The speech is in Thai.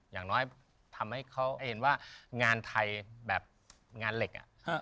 อย่างน้อยทำให้เขาเห็นว่างานไทยแบบงานเหล็ก